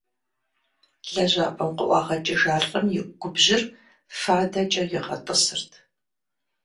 Лэжьапӏэм къыӏуагъэкӏыжа лӀым и губжьыр фадэкӀэ игъэтӀысырт.